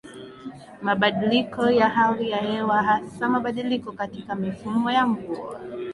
Mabadiliko ya hali ya hewa hasa mabadiliko katika mifumo ya mvua